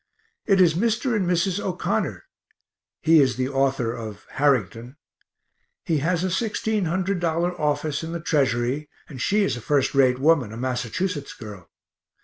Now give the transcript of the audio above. It is Mr. and Mrs. O'Connor (he is the author of "Harrington"); he has a $1600 office in the Treasury, and she is a first rate woman, a Massachusetts girl.